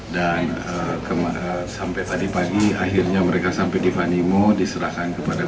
dan sampai tadi pagi akhirnya mereka sampai di vanimo diserahkan kepada kami